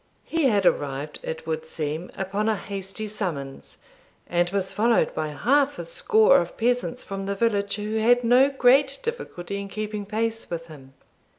He had arrived, it would seem, upon a hasty summons, and was followed by half a score of peasants from the village who had no great difficulty in keeping pace with him.